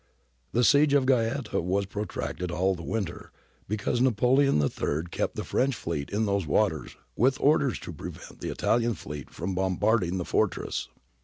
The siege of Gaeta was protracted all the winter, be cause Napoleon III kept the French fleet in those waters with orders to prevent the Italian fleet from bombarding the fortress.